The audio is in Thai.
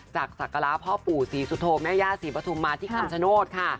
จากศักราพ่อปู่สีสุโธมแม่ญาติสีปฐุมมาที่กำสโนต